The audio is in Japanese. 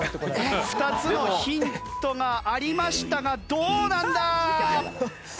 ２つのヒントがありましたがどうなんだ？